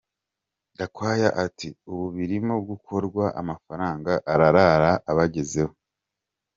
Gakwaya ati " Ubu birimo gukorwa amafaranga ararara abagezeho.